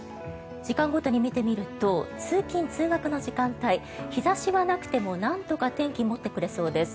時間ごとに見てみると通勤・通学の時間帯日差しはなくてもなんとか天気、持ってくれそうです。